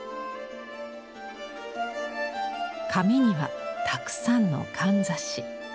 髪にはたくさんのかんざし。